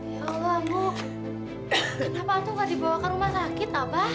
ya allah bu kenapa aku gak dibawa ke rumah sakit abah